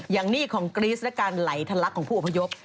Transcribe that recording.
อย่างนี่ของกรีซและการไหลบรักษณ์ของผู้อพยพ